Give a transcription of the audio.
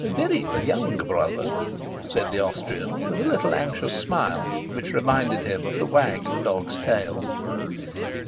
"Very young brother," said the Austrian, with a little anxious smile, which reminded him of the wag of a dog's tail.